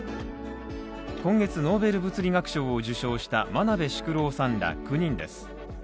今月、ノーベル物理学賞を受賞した真鍋淑郎さんら９人です。